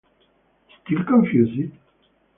Still confused?